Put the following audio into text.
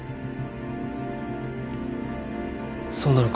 そうなのか？